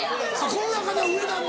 この中では上なんだ！